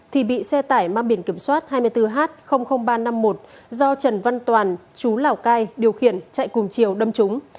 thì bị xe tải mang biển kiểm soát hai mươi bốn h ba trăm năm mươi một do trần văn toàn chú lào cai điều khiển chạy cùng chiều đâm trúng